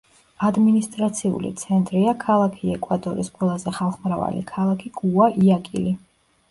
ადმინისტრაციული ცენტრია ქალაქი ეკვადორის ყველაზე ხალხმრავალი ქალაქი გუაიაკილი.